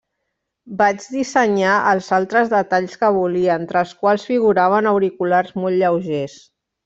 Vaig dissenyar els altres detalls que volia, entre els quals figuraven auriculars molt lleugers.